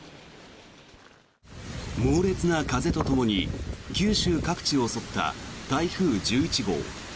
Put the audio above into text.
猛烈な風とともに九州各地を襲った台風１１号。